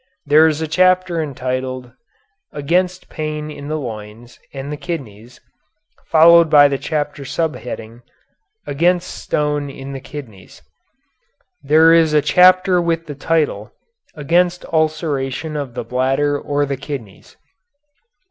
There is a chapter entitled "Against Pain in the Loins and the Kidneys," followed by the chapter subheading, "Against Stone in the Kidneys." There is a chapter with the title, "Against Ulceration of the Bladder or the Kidneys."